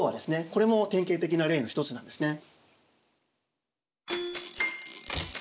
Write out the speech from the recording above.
これも典型的な例の一つなんですね。